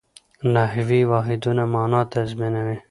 نحوي واحدونه مانا تنظیموي.